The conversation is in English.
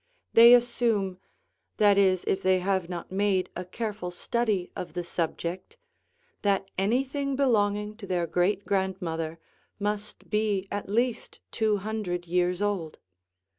They assume, that is, if they have not made a careful study of the subject, that anything belonging to their great grandmother must be at least two hundred years old.